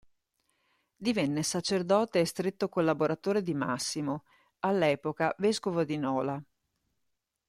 Divenne sacerdote e stretto collaboratore di Massimo, all'epoca vescovo di Nola.